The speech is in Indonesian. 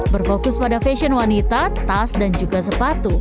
berfokus pada fashion wanita tas dan juga sepatu